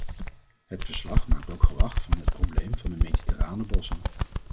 Het verslag maakt ook gewag van het probleem van de mediterrane bossen.